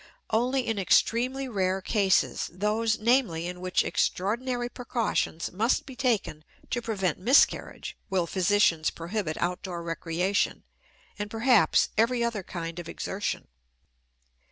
Only in extremely rare cases those, namely, in which extraordinary precautions must be taken to prevent miscarriage will physicians prohibit outdoor recreation and, perhaps, every other kind of exertion.